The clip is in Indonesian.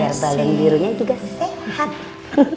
biar bagian birunya juga sehat